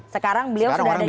sekarang beliau sudah ada di